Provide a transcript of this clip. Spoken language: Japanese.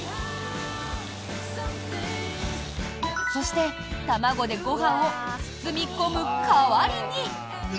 そして卵でご飯を包み込む代わりに。